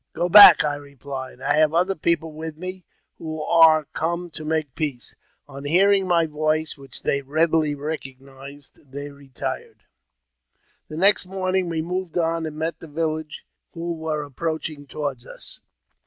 " Go back," I replied; " I have other people with me, who are come to make peace." On hearing my voice,^which they readily recognized, they retired. 254 AUTOBIOGBAPHY OF The next morning we moved on and met the village, who* were approaching toward us.